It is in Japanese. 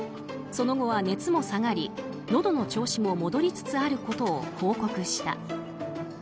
その後は、熱も下がりのどの調子も戻りつつあることを報告した。